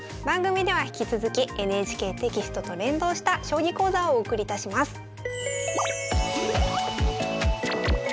番組では引き続きＮＨＫテキストと連動した将棋講座をお送りいたします。